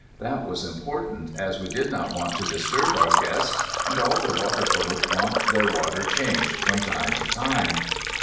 That was important, as we did not want to disturb our guests, and all the water folk want their water changing from time to time.